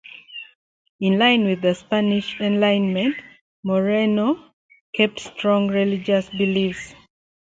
In line with the Spanish Enlightenment, Moreno kept strong religious beliefs.